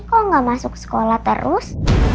kok gak masuk sekolah terus